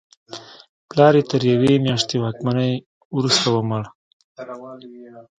پلار یې تر یوې میاشتنۍ واکمنۍ وروسته ومړ.